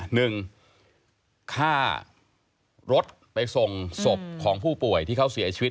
หนึ่งฆ่ารถไปส่งศพของผู้ป่วยที่เขาเสียชีวิต